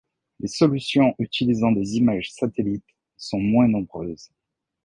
Les solutions utilisant des images satellites sont moins nombreuses.